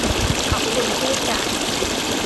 ขอบคุณผู้จัด